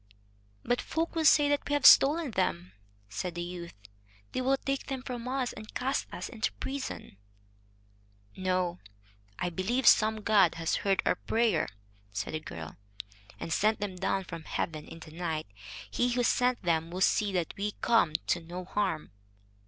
"But folk will say that we have stolen them," said the youth; "they will take them from us, and cast us into prison." "No, I believe some god has heard our prayer," said the girl, "and sent them down from heaven in the night. He who sent them will see that we come to no harm."